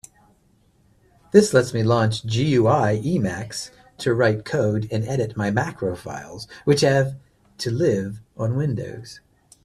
This lets me launch GUI Emacs to write code and edit my macro files which have to live on Windows.